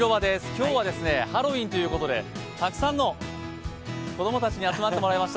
今日はハロウィーンということでたくさんの子供たちに集まってもらいました。